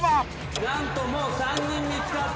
何ともう３人見つかった。